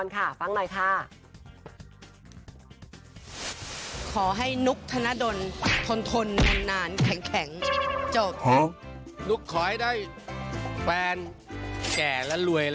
แก่และรวยแล้วกัน